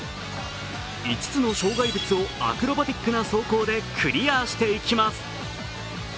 ５つの障害物をアクロバティックな走行でクリアしていきます。